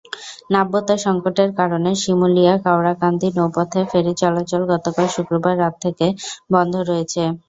নাব্যতা সংকটের কারণে শিমুলিয়া-কাওড়াকান্দি নৌপথে ফেরি চলাচল গতকাল শুক্রবার রাত থেকে বন্ধ রয়েছে।